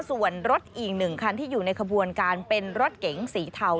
ส่วนรถอีกหนึ่งคันที่อยู่ในขบวนการเป็นรถเก๋งสีเทา